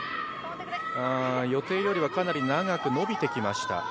予定よりはかなり長く伸びてきました。